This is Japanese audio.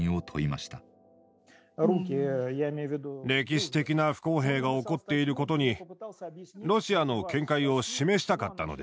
歴史的な不公平が起こっていることにロシアの見解を示したかったのです。